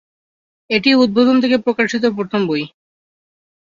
এটিই উদ্বোধন থেকে প্রকাশিত প্রথম বই।